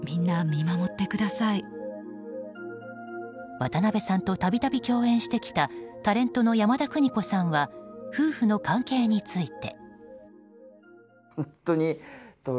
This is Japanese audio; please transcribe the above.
渡辺さんと度々共演してきたタレントの山田邦子さんは夫婦の関係について。